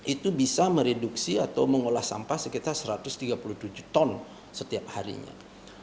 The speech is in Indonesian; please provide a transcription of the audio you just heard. itu bisa mereduksi atau mengolah sampah sekitar satu ratus tiga puluh tujuh ton setiap harinya